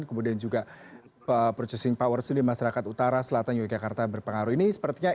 kemudian juga purchasing powers ini masyarakat utara selatan yogyakarta berpengaruh ini sepertinya